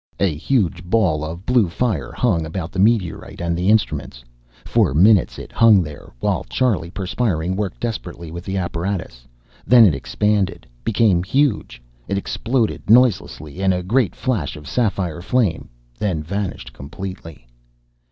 A huge ball of blue fire hung, about the meteorite and the instruments. For minutes it hung there, while Charlie, perspiring, worked desperately with the apparatus. Then it expanded; became huge. It exploded noiselessly, in a great flash of sapphire flame, then vanished completely.